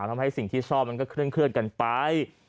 ทำให้สิ่งที่ชอบมันก็เคลื่อนกันไป